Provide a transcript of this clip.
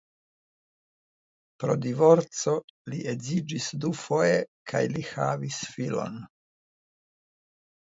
Pro divorco li edziĝis dufoje kaj li havis filon.